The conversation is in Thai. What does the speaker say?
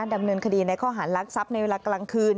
ดำเนินคดีในข้อหารลักทรัพย์ในเวลากลางคืน